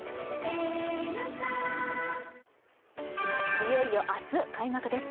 いよいよ明日、開幕です。